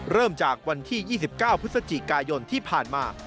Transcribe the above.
เริ่มจากวันที่๒๙พฤศจิกายนที่ผ่านมา